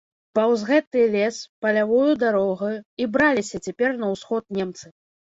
Паўз гэты лес, палявою дарогаю, і браліся цяпер на ўсход немцы.